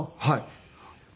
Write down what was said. はい。